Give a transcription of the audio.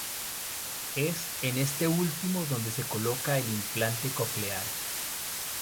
Es en este último donde se coloca el implante coclear.